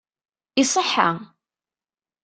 Iṣeḥḥa!